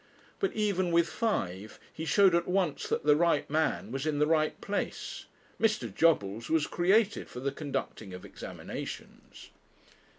But, even with five, he showed at once that the right man was in the right place. Mr. Jobbles was created for the conducting of examinations.